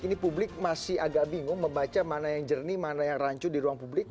ini publik masih agak bingung membaca mana yang jernih mana yang rancu di ruang publik